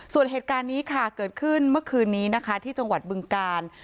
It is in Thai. ส่วนเหตุการณ์นี้ค่ะเกิดขึ้นเมื่อคืนนี้นะคะที่จังหวัดบึงกาล